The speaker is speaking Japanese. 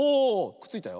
くっついたよ。